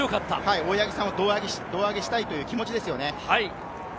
大八木さんを胴上げしたいという気持ちですよね。